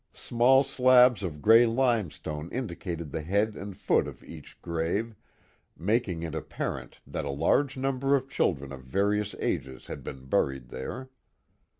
Small slabs of gray limestone indicated the head and foot of each grave, making it apparent that a large number of children of various ages had been buried there.